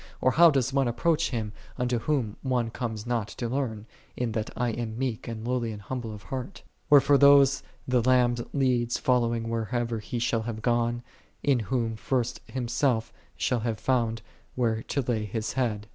or how doth one approach Him, unto Whom one conies not to learn, " in that I am meek and lowly of heart ?" Wherefore those the Lamb leadeth following whitherso ever He shall have gone, in whom first Him self shall have found where to lay His Head.